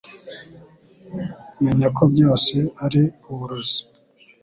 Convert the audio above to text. Menya ko byose ari uburozi